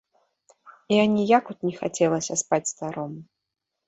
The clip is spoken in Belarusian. І аніяк от не хацелася спаць старому.